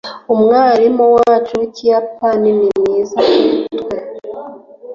umwarimu wacu wikiyapani ni mwiza kuri twe